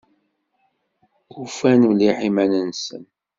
Ufan mliḥ iman-nsen.